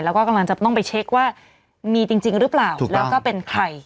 แล้วก็กำลังจะต้องไปเช็คว่ามีจริงหรือเปล่าแล้วก็เป็นใคร